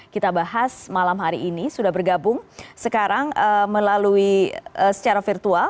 kita bahas malam hari ini sudah bergabung sekarang melalui secara virtual